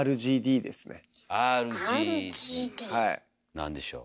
何でしょう？